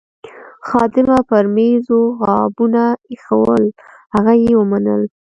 خادمه پر میزو غابونه ایښوول، هغه یې ومنل.